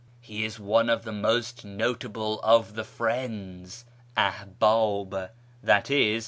He is one of the most notable of ' the Friends '" {AlibAh, i.e.